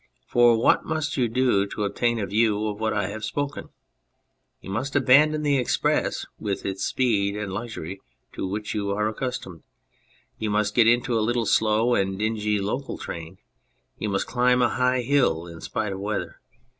For what must you do to obtain a view of what I have spoken ? You must abandon the express, with its speed and luxury, to which you are accustomed ; you must get into a little slow and dingy local train, you must climb a high hill in spite of weather.